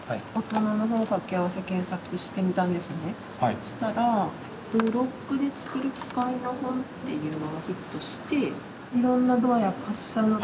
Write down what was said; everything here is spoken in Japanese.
そしたら「ブロックで作るキカイの本」っていうのがヒットして「いろんなドアや滑車など」